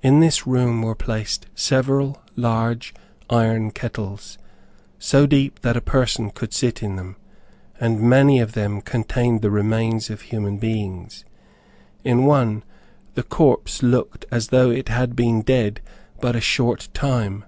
In this room were placed several large iron kettles, so deep that a person could sit in them, and many of them contained the remains of human beings. In one the corpse looked as though it had been dead but a short time.